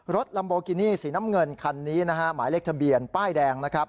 รถลำโบกินี่สีน้ำเงินคันนี้หมายเลขทะเบียนป้ายแดง